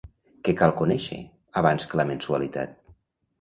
Què cal conèixer, abans que la mensualitat?